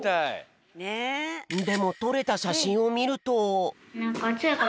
でもとれたしゃしんをみると。